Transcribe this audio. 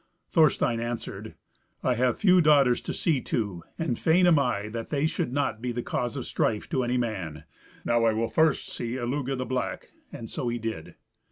Thorstein answered, "I have few daughters to see to, and fain am I that they should not be the cause of strife to any man. Now I will first see Illugi the Black." And so he did.